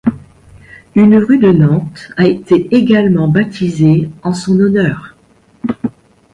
Une rue de Nantes a été également baptisée en son honneur.